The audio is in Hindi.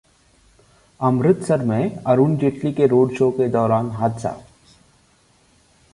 अमृतसर में अरुण जेटली के रोड शो के दौरान हादसा